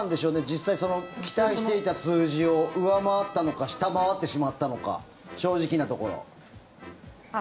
実際、期待していた数字を上回ったのか下回ってしまったのか正直なところ。